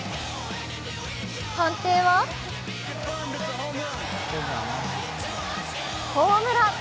判定はホームラン！